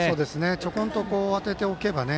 ちょこんと当てておけばね。